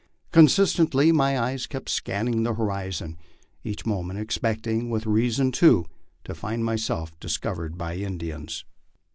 Constantly my eyes kept scan ning the horizon, each moment expecting, and with reason too, to find myself discovered by Indians.